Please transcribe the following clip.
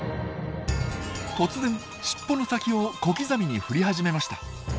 突然しっぽの先を小刻みに振り始めました。